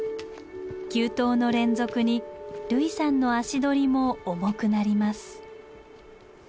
急登の連続に類さんの足取りも重くなります。